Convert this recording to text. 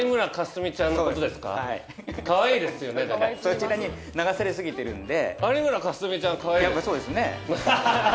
そちらに流され過ぎてるんで。